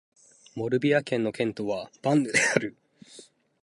モルビアン県の県都はヴァンヌである